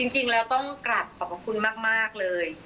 จริงแล้วต้องกลับขอบคุณมากเลย